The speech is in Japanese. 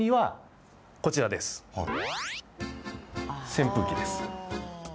扇風機です。